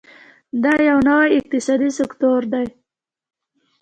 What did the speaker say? دا یو نوی اقتصادي سکتور دی.